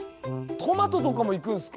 トマトとかもいくんすか？